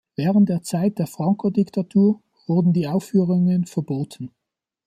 Während der Zeit der Franco-Diktatur wurden die Aufführungen verboten.